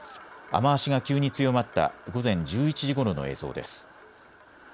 雨足が急に強まった午前１１時ごろの映像です。